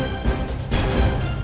ketemu di kantor